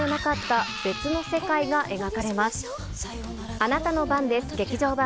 あなたの番です劇場版。